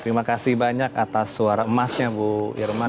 terima kasih banyak atas suara emasnya bu irman